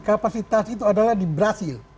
kapasitas itu adalah di brazil